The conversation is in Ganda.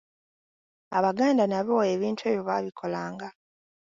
Abaganda nabo ebintu ebyo baabikolanga.